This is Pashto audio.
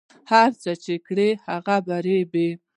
هر څه چې کرې هغه به ریبې